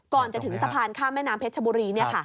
ก่อนจะถึงสะพานข้ามแม่น้ำเพชรชบุรี